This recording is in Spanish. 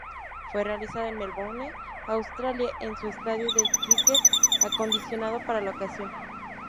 Fue realizado en Melbourne, Australia, en un estadio de cricket acondicionado para la ocasión.